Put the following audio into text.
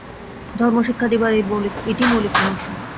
ধর্ম শিক্ষা দিবার এইটি মৌলিক রহস্য।